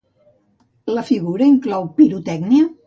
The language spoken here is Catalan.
La figura inclou pirotècnia?